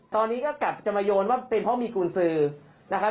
ตอนนี้ก็กลับจะมาโยนว่าเป็นเพราะมีกุญสือนะครับ